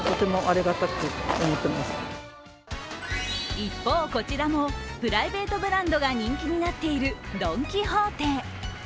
一方、こちらもプライベートブランドが人気になっているドン・キホーテ。